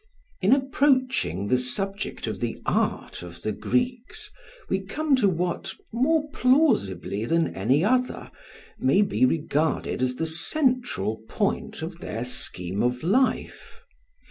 In approaching the subject of the Art of the Greeks we come to what, more plausibly than any other, may be regarded as the central point of their scheme of life.